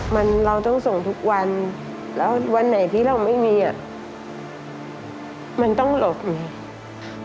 มันเราต้องส่งทุกวันแล้ววันไหนที่เราไม่มีอ่ะมันต้องหลบไง